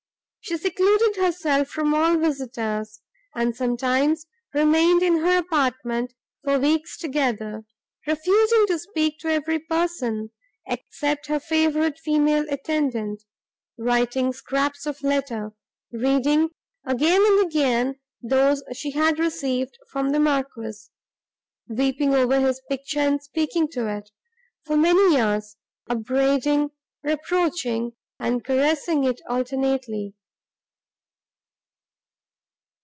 She secluded herself from all visitors, and, sometimes, remained in her apartment, for weeks together, refusing to speak to every person, except her favourite female attendant, writing scraps of letters, reading, again and again, those she had received from the Marquis, weeping over his picture, and speaking to it, for many hours, upbraiding, reproaching and caressing it alternately.